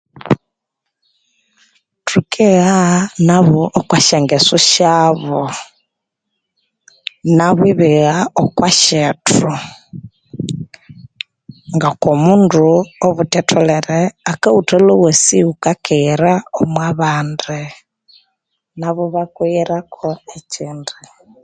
Thikigha nabo okoshangesu shyabo nabo ibigha okoshethu ngokomundu Abathi atholere akghuthalhwewasi wakakighira okobandi nabo ibakiyirako ekindi